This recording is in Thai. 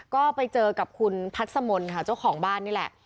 ก็ไปเจอกับคุณพัศมนค่ะเจ้าของบ้านนี่แหละ